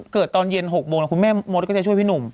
เกิดตอนเย็นหกโมงแล้วคุณแม่มดก็จะช่วยพี่หนุ่ม